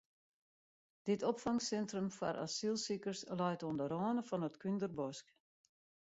Dit opfangsintrum foar asylsikers leit oan de râne fan it Kúnderbosk.